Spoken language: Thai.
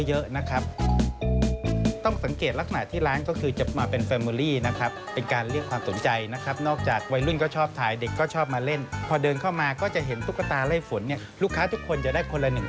เห็นที่ร้านนี้คงตอบโจทย์เป็นที่ซึ่ง